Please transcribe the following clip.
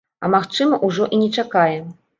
А магчыма, ужо і не чакае.